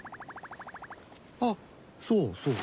あっそうそう。